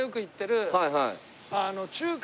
中華？